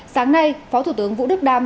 sáng nay phó thủ tướng vũ đức đam